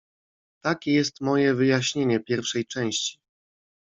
"Takie jest moje wyjaśnienie pierwszej części."